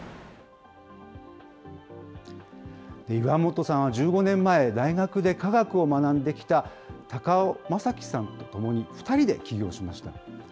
岩元さんは１５年前、大学で化学を学んできた高尾正樹さんと共に、２人で起業しました。